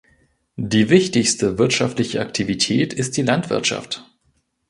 Die wichtigste wirtschaftliche Aktivität ist die Landwirtschaft.